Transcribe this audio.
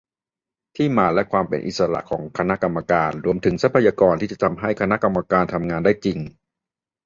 ที่มาและความเป็นอิสระของคณะกรรมการ รวมถึงทรัพยากรที่จะทำให้คณะกรรมการทำงานได้จริง